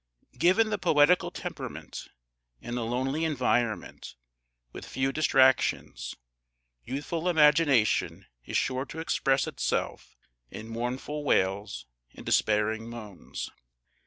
Given the poetical temperament, and a lonely environment, with few distractions, youthful imagination is sure to express itself in mournful wails and despairing moans.